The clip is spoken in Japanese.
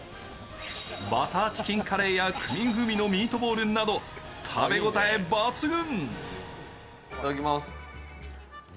バターチキンカレーやクミン風味のミートボールなど食べ応え抜群。